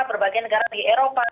berbagai negara di eropa